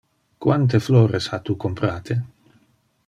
Quante flores ha tu comprate?